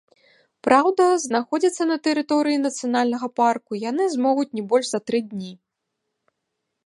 Праўда, знаходзіцца на тэрыторыі нацыянальнага парку яны змогуць не больш за тры дні.